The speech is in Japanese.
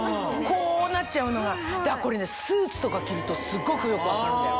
こうなっちゃうのがだからこれねスーツとか着るとすっごくよく分かるんだよ。